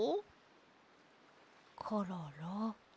コロロ。